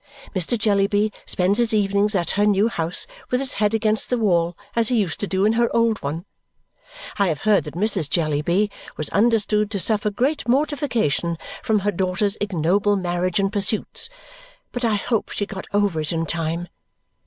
Mr. Jellyby spends his evenings at her new house with his head against the wall as he used to do in her old one. I have heard that Mrs. Jellyby was understood to suffer great mortification from her daughter's ignoble marriage and pursuits, but I hope she got over it in time.